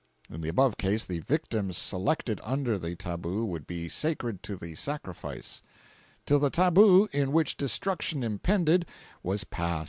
In the above case the victims selected under the tabu would be sacred to the sacrifice] in which destruction impended, was past.